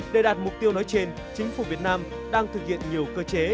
để đạt mục tiêu nói trên chính phủ việt nam đang thực hiện nhiều cơ chế